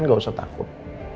enggak usah takut